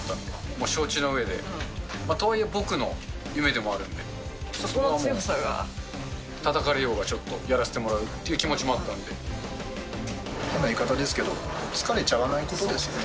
もう承知のうえで、とはいえ、僕の夢でもあるんで、それはもう、たたかれようが、ちょっとやらせてもらうっていう変な言い方ですけど、疲れちゃわないことですよね。